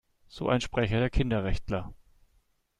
So ein Sprecher der Kinderrechtler.